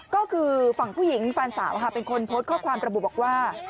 ก็คือฝั่งผู้หญิงแฟนสาวเป็นคนโพสต์ข้อความระบุบอกว่า